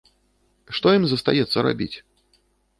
Што ім застаецца рабіць?